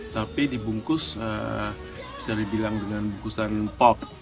tapi dibungkus bisa dibilang dengan bungkusan pop